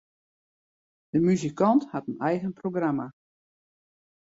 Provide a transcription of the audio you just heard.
Dy muzikant hat in eigen programma.